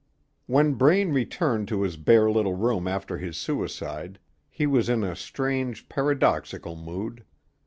When Braine returned to his bare little room after his suicide, he was in a strange, paradoxical mood.